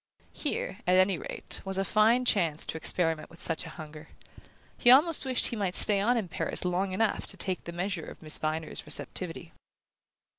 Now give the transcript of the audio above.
Here, at any rate, was a fine chance to experiment with such a hunger: he almost wished he might stay on in Paris long enough to take the measure of Miss Viner's receptivity.